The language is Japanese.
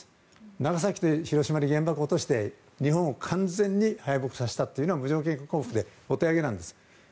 長崎と広島に原爆を落として日本を完全に敗北させたというのは無条件降伏でお手上げなんです。